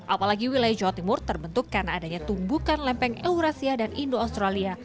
apalagi wilayah jawa timur terbentuk karena adanya tumbukan lempeng eurasia dan indo australia